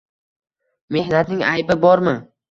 Mehnatning aybi bormi?